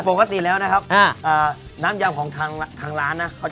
ปกติแล้วนะครับน้ำยำของทางร้านนะ